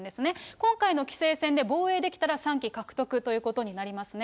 今回の棋聖戦で防衛できたら、３期獲得ということになりますね。